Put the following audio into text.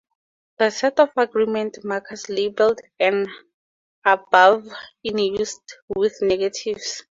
The set of agreement markers labelled N above is used with negatives.